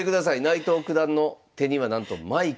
内藤九段の手にはなんとマイク。